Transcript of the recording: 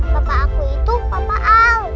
papa aku itu papa al